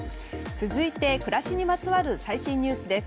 続いて、暮らしにまつわる最新ニュースです。